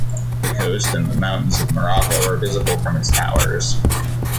The coast and mountains of Morocco are visible from its towers.